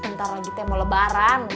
ntar lagi teh mau lebaran